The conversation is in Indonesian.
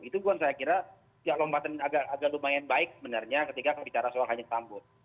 itu saya kira agak lumayan baik sebenarnya ketika berbicara soal kandung sambut